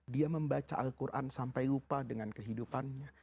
dia membaca al quran sampai lupa dengan kehidupannya